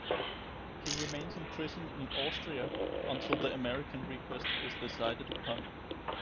He remains in prison in Austria until the American request is decided upon.